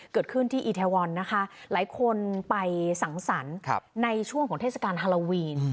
เกิดขึ้นที่อีเทวอนนะคะหลายคนไปสังสรรค์ในช่วงของเทศกาลฮาโลวีน